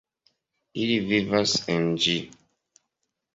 Ili vivas en ĝi.